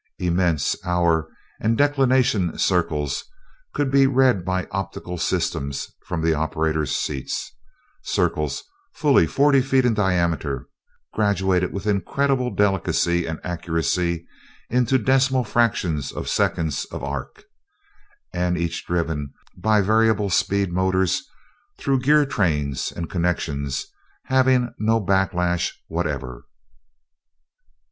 Immense hour and declination circles could be read by optical systems from the operators' seats circles fully forty feet in diameter, graduated with incredible delicacy and accuracy into decimal fractions of seconds of arc, and each driven by variable speed motors through gear trains and connections having no backlash whatever.